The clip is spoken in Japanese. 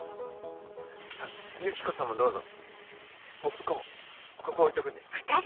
ユキコさんもどうぞポップコーンここ置いとくんで。